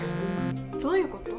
どういう事？